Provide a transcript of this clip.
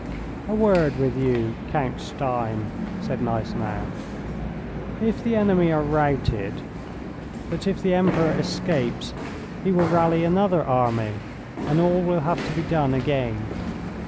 "A word with you, Count Stein," said Gneisenau. "If the enemy are routed, but if the Emperor escapes, he will rally another army, and all will have to be done again.